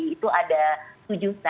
itu ada tujuh perusahaan